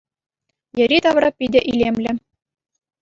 Йӗри-тавра питӗ илемлӗ.